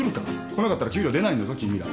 来なかったら給料出ないんだぞ君ら。